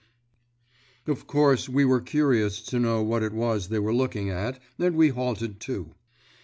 _' Of course we were curious to know what it was they were looking at, and we halted, too.